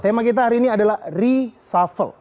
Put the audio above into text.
tema kita hari ini adalah reshuffle